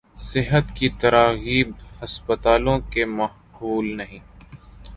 صحت کی تراغیب ہسپتالوں کے ماحول نہیں